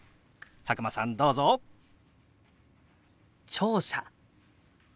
聴者。